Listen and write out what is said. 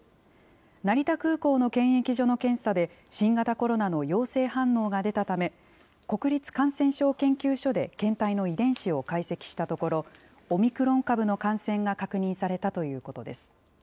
成田空港の検疫所の検査で、新型コロナの陽性反応が出たため、国立感染症研究所で検体の遺伝子を解析したところ、オミクロン株の感染が確認されたということです。